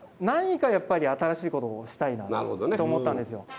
何かやっぱり新しいことをしたいなと思ったんですよ。